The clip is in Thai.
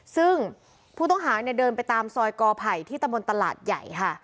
ซึ่งผู้ต้องหาเนี่ยเดินไปตามซอยกอไผ่ที่ตะบนตลาดใหญ่ค่ะ